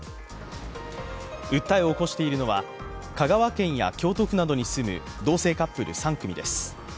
訴えを起こしているのは香川県や京都府などに住む同性カップル３組です。